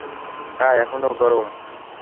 আহ, এখনো গরম।